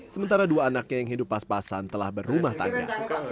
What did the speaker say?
sementara dua anaknya yang hidup pas pasan telah berumah tangga